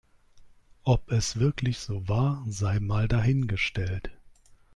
Ob es wirklich so war, sei mal dahingestellt.